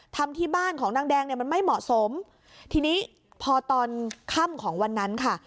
ทำที่บ้านของนางแดงเนี่ยมันไม่เหมาะสมทีนี้พอตอนค่ำของวันนั้นค่ะ